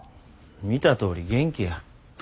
見たとおり元気や。